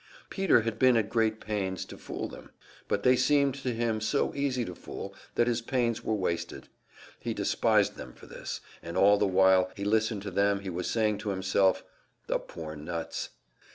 Peter had been at great pains to fool them; but they seemed to him so easy to fool that his pains were wasted. He despised them for this, and all the while he listened to them he was saying to himself, "The poor nuts!"